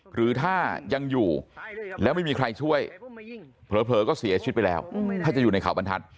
หรือถ้ายังอยู่แล้วไม่มีใครช่วยเผลอก็เสียชีวิตไปแล้วถ้าจะอยู่ในเขาบรรทัศน